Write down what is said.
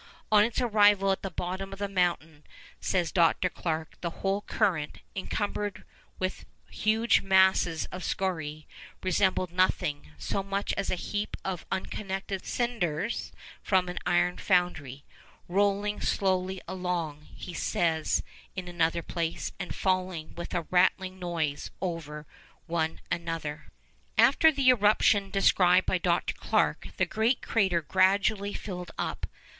On its arrival at the bottom of the mountain, says Dr. Clarke, 'the whole current,' encumbered with huge masses of scoriæ, 'resembled nothing so much as a heap of unconnected cinders from an iron foundry,' 'rolling slowly along,' he says in another place, 'and falling with a rattling noise over one another.' After the eruption described by Dr. Clarke, the great crater gradually filled up.